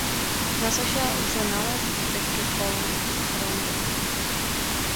Na soše lze nalézt zbytky polychromie.